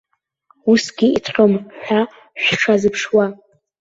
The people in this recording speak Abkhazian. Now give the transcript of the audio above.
Усгьы иҭҟьом ҳәа шәшазыԥшуа.